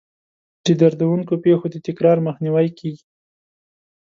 د دردونکو پېښو د تکرار مخنیوی کیږي.